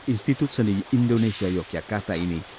institut seni indonesia yogyakarta ini